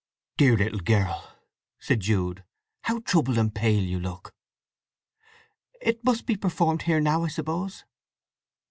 "Dear little girl," said Jude. "How troubled and pale you look!" "It must be performed here now, I suppose?"